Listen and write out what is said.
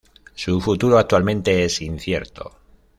Su futuro actualmente es incierto.